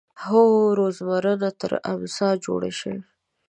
هو زورور ته ترې امسا جوړه شي